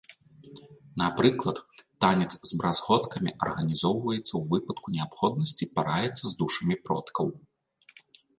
Напрыклад, танец з бразготкамі арганізоўваецца ў выпадку неабходнасці параіцца з душамі продкаў.